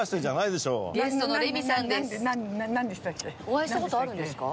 お会いした事あるんですか？